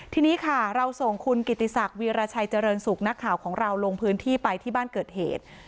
ทีนี้ค่ะเราส่งคุณกิติศักดิราชัยเจริญสุขนักข่าวของเราลงพื้นที่ไปที่บ้านเกิดเหตุ